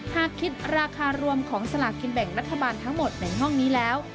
หากคิดราคารวมของสลากกินแบ่งรัฐบาลทั้งหมดในห้องนี้แล้ว